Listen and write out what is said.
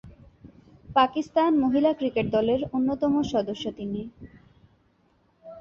পাকিস্তান মহিলা ক্রিকেট দলের অন্যতম সদস্য তিনি।